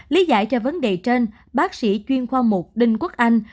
lý giải cho vấn đề trên bác sĩ chuyên khoa một đinh quốc anh